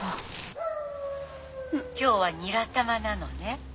今日はニラ玉なのね。